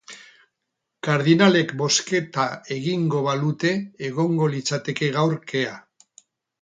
Kardinalek bozketa egingo balute egongo litzateke gaur kea.